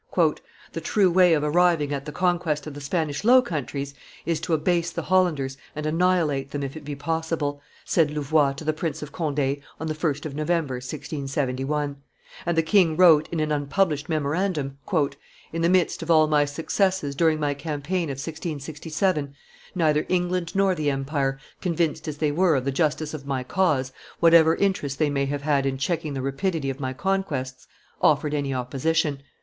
"The true way of arriving at the conquest of the Spanish Low Countries is to abase the Hollanders and annihilate them if it be possible," said Louvois to the Prince of Conde on the 1st of November, 1671; and the king wrote in an unpublished memorandum, "In the midst of all my successes during my campaign of 1667, neither England nor the empire, convinced as they were of the justice of my cause, whatever interest they may have had in checking the rapidity of my conquests, offered any opposition.